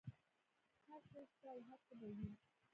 هر څه یې شته او هر څه به وي.